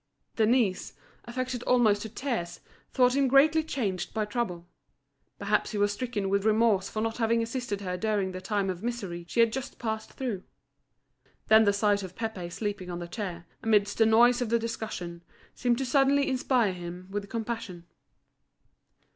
Denise, affected almost to tears, thought him greatly changed by trouble. Perhaps he was stricken with remorse for not having assisted her during the time of misery she had just passed through. Then the sight of Pépé sleeping on the chair, amidst the noise of the discussion, seemed to suddenly inspire him with compassion.